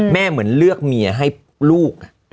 เหมือนเลือกเมียให้ลูก